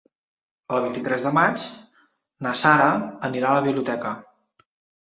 El vint-i-tres de maig na Sara anirà a la biblioteca.